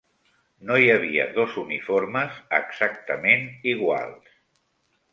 No hi havia dos uniformes exactament iguals.